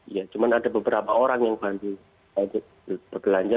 iya cuma ada beberapa orang yang bantu kita untuk belanja